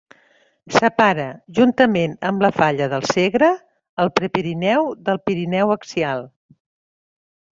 Separa, juntament amb la falla del Segre, el Prepirineu del Pirineu axial.